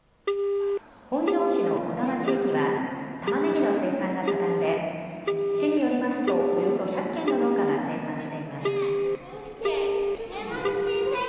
本庄市の児玉地域はたまねぎの生産が盛んで市によりますとおよそ１００軒の農家が生産しています。